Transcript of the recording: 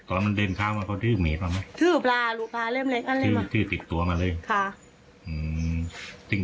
ตอนนั้นมันเดินข้าวมาเขาดื้อเมฆมาไหมถือปลาหรือปลาเล็กเล็กอันเล็กมาถือติดตัวมาเลยค่ะอืม